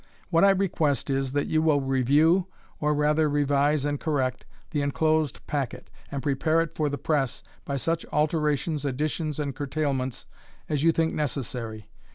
What I request is, that you will review, or rather revise and correct, the enclosed packet, and prepare it for the press, by such alterations, additions, and curtailments, as you think necessary.